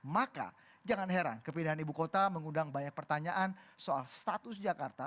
maka jangan heran kepindahan ibu kota mengundang banyak pertanyaan soal status jakarta